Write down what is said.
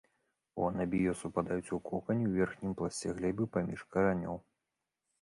У анабіёз упадаюць у кокане ў верхнім пласце глебы паміж каранёў.